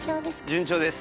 順調です。